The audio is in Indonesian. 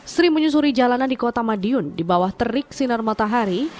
sri menyusuri jalanan di kota madiun di bawah terik sinar matahari